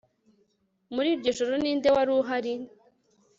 muri iryo joro ninde wari uhari